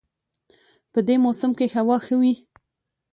په دې موسم کې هوا ښه وي